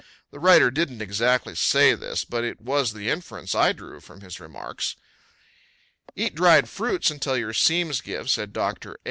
The writer didn't exactly say this, but it was the inference I drew from his remarks. Eat dried fruits until your seams give, said Doctor A.